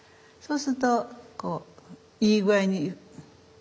そうするとこういい具合に。